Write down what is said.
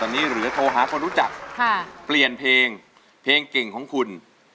ตอนนี้เหลือโทรหาคนรู้จักเปลี่ยนเพลงเพลงเก่งของคุณ